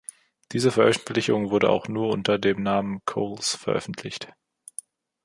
Diese Veröffentlichung wurde auch nur noch unter dem Namen Coles veröffentlicht.